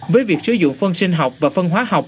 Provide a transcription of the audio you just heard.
với việc sử dụng phân sinh học và phân hóa học